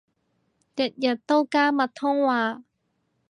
日日都加密通話